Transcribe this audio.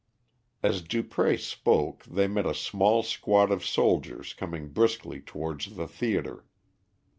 As Dupré spoke they met a small squad of soldiers coming briskly towards the theatre.